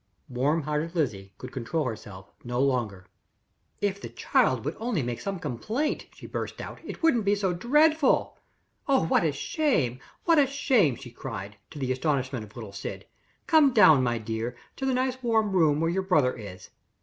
Warm hearted Lizzie could control herself no longer. "If the child would only make some complaint," she burst out, "it wouldn't be so dreadful! Oh, what a shame! what a shame!" she cried, to the astonishment of little Syd. "Come down, my dear, to the nice warm room where your brother is.